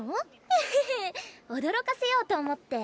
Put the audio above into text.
えへへ驚かせようと思って。